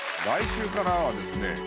来週からはですね